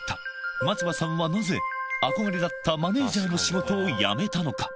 松葉さんはなぜ、憧れだったマネージャーの仕事を辞めたのか。